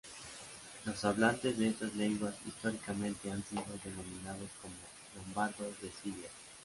Los hablantes de estas lenguas históricamente han sido denominados como "lombardos de Sicilia".